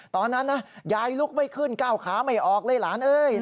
ตอนนั้นนะยายลุกไม่ขึ้นก้าวขาไม่ออกเลยหลานเอ้ย